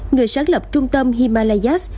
người sáng lập trung tâm himalayas